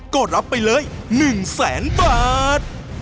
ก็รับไปเลย๑แสนบาท